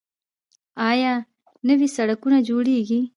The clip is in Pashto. آیا نوي سرکونه جوړیږي؟